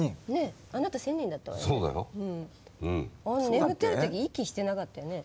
眠ってる時息してなかったよね？